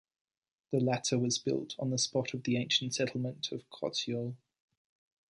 The latter was built on the spot of the ancient settlement of Kotyol.